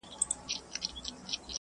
د سرطان سکرینینګ وخت باید کم شي.